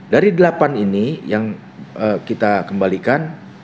dari delapan ini yang kita kembalikan